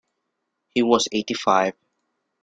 He was eighty-five.